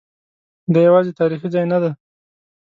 دا یوازې تاریخي ځای نه دی.